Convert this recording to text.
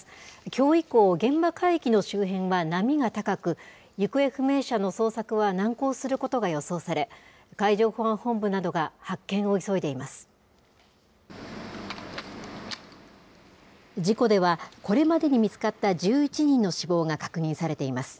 きょう以降、現場海域の周辺は波が高く、行方不明者の捜索は難航することが予想され、海上保安本部などが発見を急いでいます。